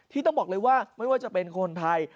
ต้องบอกเลยว่าไม่ว่าจะเป็นคนไทย